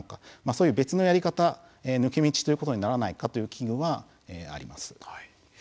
そういう別のやり方抜け道ということにならないかという危惧はあります。